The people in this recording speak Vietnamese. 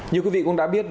nhiều quý vị cũng đã biết